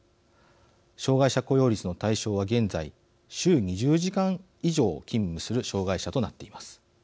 障害者雇用率の対象は現在週２０時間以上勤務する障害者となっています。